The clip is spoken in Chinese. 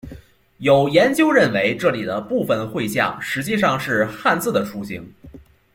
有研究认为这里的部分绘像实际上是汉字的雏形。